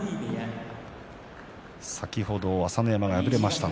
先ほど朝乃山が敗れました。